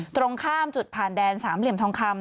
ตรงข้ามจุดผ่านแดนสามเหลี่ยมทองคำ